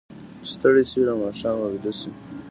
چې ستړي شي، له ماښامه ویده شي.